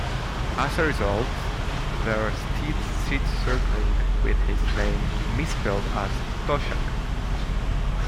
As a result, there are still sheets circulating with his name mis-spelt as "Toshak".